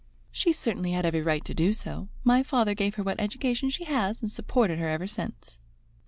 "She certainly had every right to do so. My father gave her what education she has and supported her ever since."